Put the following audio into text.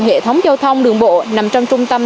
hệ thống giao thông đường bộ nằm trong trung tâm